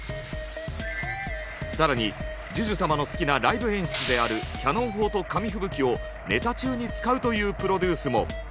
更にＪＵＪＵ様の好きなライブ演出であるキャノン砲と紙吹雪をネタ中に使うというプロデュースも。